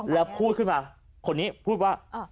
แล้วพูดขึ้นมาคนนี้พูดว่า